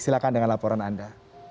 silakan dengan laporan anda